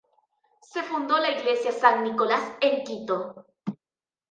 Se fundó la iglesia San Nicolás en Quito.